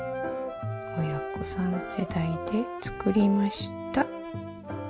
親子３世代で作りました。